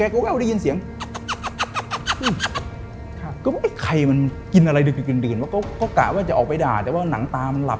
เขากะก็อยากจะออกไปด่าแต่ว่านักตาตัวมันสลับ